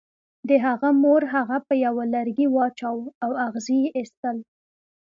د هغه مور هغه په یوه لرګي واچاو او اغزي یې ایستل